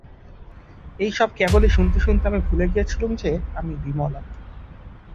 এই-সব কেবলই শুনতে শুনতে আমি ভুলে গিয়েছিলুম যে, আমি বিমলা।